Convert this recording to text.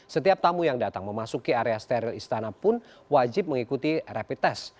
setiap tamu yang datang memasuki area steril istana pun wajib mengikuti rapid test